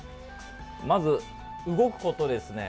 まず、動くことですね。